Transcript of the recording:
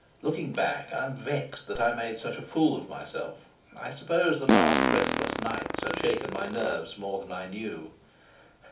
Looking back, I am vexed that I made such a fool of myself; I suppose the last restless nights had shaken my nerves more than I knew.